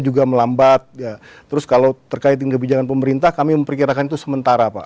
juga melambat ya terus kalau terkait ingin kita pemerintah kami memperket director sementara pak